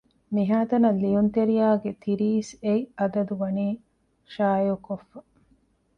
މިހާތަނަށް ލިޔުންތެރިޔާ ގެ ތިރީސް އެއް އަދަދު ވަނީ ޝާއިޢުކޮށްފަ